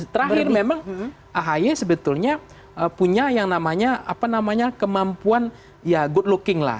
terakhir memang ahi sebetulnya punya yang namanya apa namanya kemampuan good looking lah